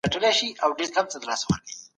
ښه ذهنیت غوسه نه راوړي.